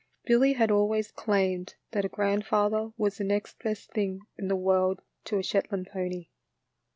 Billy had always claimed that a grandfather was the next best thins; in the world to a Shetland pony.